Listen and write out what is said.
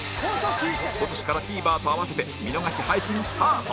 今年から ＴＶｅｒ と合わせて見逃し配信スタート